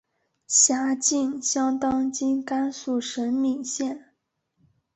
辖境相当今甘肃省岷县。